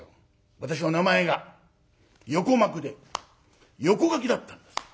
私の名前が横幕で横書きだったんです。